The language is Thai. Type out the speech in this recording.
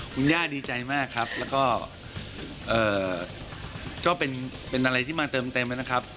คุณย่าดีใจมากครับแล้วก็เป็นอะไรที่มาเติมเต็มแล้วนะครับ